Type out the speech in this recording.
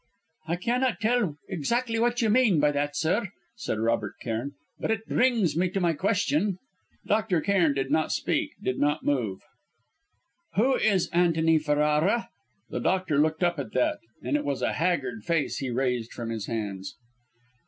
"I cannot tell exactly what you mean by that, sir," said Robert Cairn; "but it brings me to my question." Dr. Cairn did not speak, did not move. "Who is Antony Ferrara?" The doctor looked up at that; and it was a haggard face he raised from his hands.